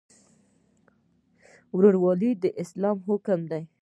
ورورولي د اسلام حکم دی